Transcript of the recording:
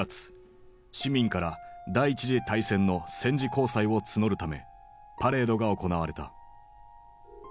市民から第一次大戦の戦時公債を募るためパレードが行われた。